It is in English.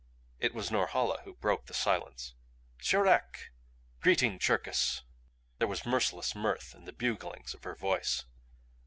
It was Norhala who broke the silence. "Tcherak! Greeting Cherkis!" There was merciless mirth in the buglings of her voice.